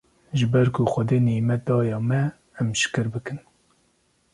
ji ber ku Xwedê nîmet daye me em şikir bikin